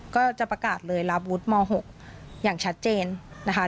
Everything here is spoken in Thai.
ก็จะประกาศเลยรับวุฒิม๖อย่างชัดเจนนะคะ